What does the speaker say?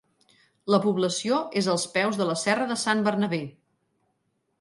La població és als peus de la serra de Sant Bernabé.